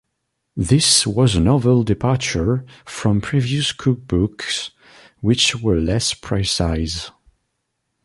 This was a novel departure from previous cookbooks, which were less precise.